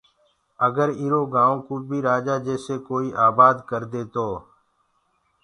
اگر ايٚرو گآئو ڪو بيٚ رآجآ جيسي ڪوئيٚ آبآد ڪردي تو